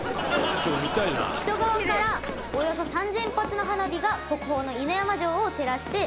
響大君：木曽川からおよそ３０００発の花火が国宝の犬山城を照らして。